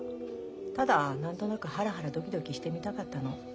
ただ何となくハラハラドキドキしてみたかったの。